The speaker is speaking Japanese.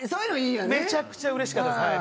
めちゃくちゃうれしかったです。